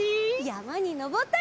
やまにのぼったり。